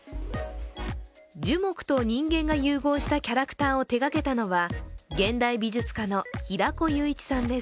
樹木と人間が融合したキャラクターを手がけたのは現代美術家の平子雄一さんです。